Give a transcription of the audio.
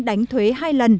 đánh thuế hai lần